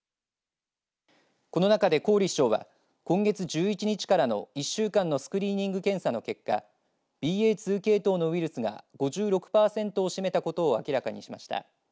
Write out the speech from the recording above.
この中で、郡市長は今月１１日からの１週間のスクリーニング検査の結果ＢＡ．２系統のウイルスが５６パーセントを占めたことを明らかにしました。